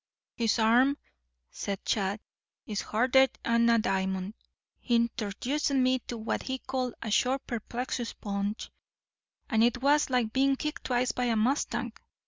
"His arm," said Chad, "is harder'n a diamond. He interduced me to what he called a shore perplexus punch, and 'twas like being kicked twice by a mustang.